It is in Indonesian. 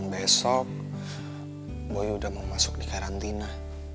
besok boy sudah mau masuk di karantina